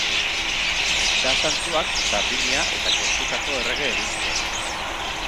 Aita Santuak Sardinia eta Korsikako errege egin zuen.